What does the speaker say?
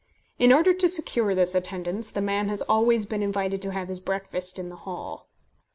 In order to secure this attendance, the man has always been invited to have his breakfast in the hall.